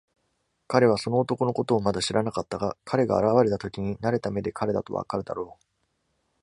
彼はその男のことをまだ知らなかったが、彼が現れたときに慣れた目で彼だとわかるだろう。